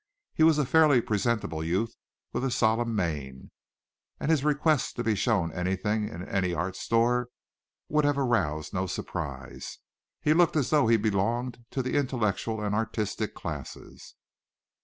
He was a fairly presentable youth with a solemn mien, and his request to be shown anything in any art store would have aroused no surprise. He looked as though he belonged to the intellectual and artistic classes.